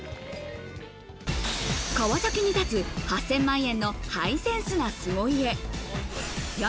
川崎に建つ８０００万円のハイセンスな凄家。